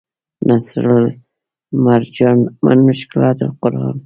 نصرالمرجان من مشکلات القرآن